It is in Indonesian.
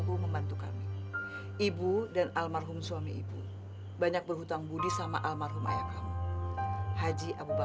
luqman kamu buru buru kenapa